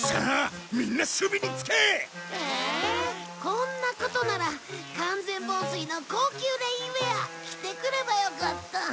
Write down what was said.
こんなことなら完全防水の高級レインウェア着てくればよかった。